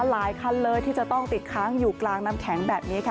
หลายคันเลยที่จะต้องติดค้างอยู่กลางน้ำแข็งแบบนี้ค่ะ